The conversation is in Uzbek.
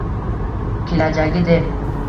Kelajagi deb